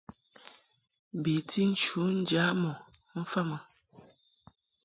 Beti nchu njam ɔ mfa mɨ.